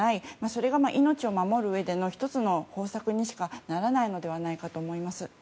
それが命を守るうえでの１つの方策にしかならないのではないかと思います。